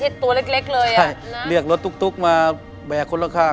ใช่เรียกรถตุ๊กมาแบกคนละข้าง